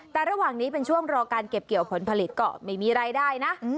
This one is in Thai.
แต่ระหว่างนี้เป็นช่วงรอการเก็บเกี่ยวผลผลิตก็ไม่มีรายได้นะ